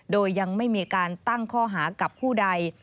โดยยังไม่มีการตั้งข้อหากับผู้ใด